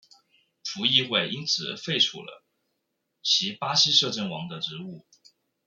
葡议会因此废黜了其巴西摄政王的职务。